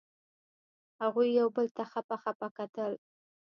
هغوی یو بل ته خپه خپه کتل.